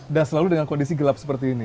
dan selalu dengan kondisi gelap seperti ini